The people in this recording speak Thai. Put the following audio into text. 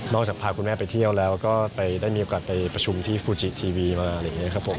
จากพาคุณแม่ไปเที่ยวแล้วก็ไปได้มีโอกาสไปประชุมที่ฟูจิทีวีมาอะไรอย่างนี้ครับผม